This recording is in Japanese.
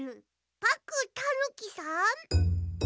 パックンたぬきさん？